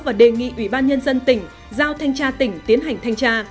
và đề nghị ủy ban nhân dân tỉnh giao thanh tra tỉnh tiến hành thanh tra